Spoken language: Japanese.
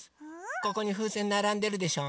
ここにふうせんならんでるでしょ？